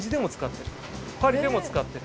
パリでも使ってる。